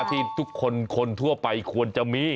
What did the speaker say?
ที่คนทั่วไปควรมี